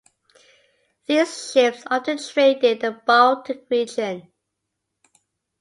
These ships often traded in the Baltic region.